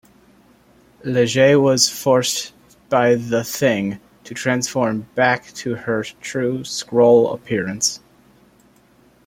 Lyja was forced by the Thing to transform back to her true Skrull appearance.